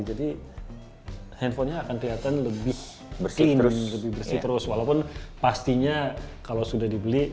jadi handphonenya akan kelihatan lebih clean lebih bersih terus walaupun pastinya kalau sudah dibeli